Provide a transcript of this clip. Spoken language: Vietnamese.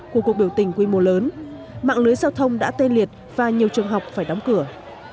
của cuộc biểu tình quy mô lớn mạng lưới giao thông đã tê liệt và nhiều trường học phải đóng cửa